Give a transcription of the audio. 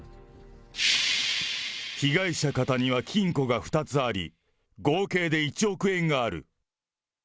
被害者方には金庫が２つあり、合計で１億円がある。